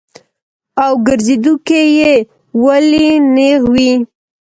او ګرځېدو کښې ئې ولي نېغ وي -